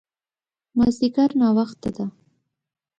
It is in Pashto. مازديګر ناوخته ده